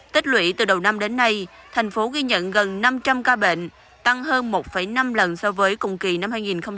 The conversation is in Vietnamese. tích lũy từ đầu năm đến nay thành phố ghi nhận gần năm trăm linh ca bệnh tăng hơn một năm lần so với cùng kỳ năm hai nghìn hai mươi ba